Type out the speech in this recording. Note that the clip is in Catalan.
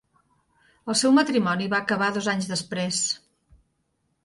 El seu matrimoni va acabar dos anys després.